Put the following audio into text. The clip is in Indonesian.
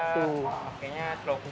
kayaknya slow cooking jadinya